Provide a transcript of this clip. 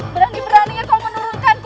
berani beraninya kau menurunkanku